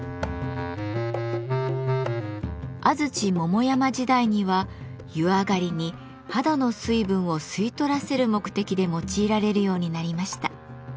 安土桃山時代には湯上がりに肌の水分を吸い取らせる目的で用いられるようになりました。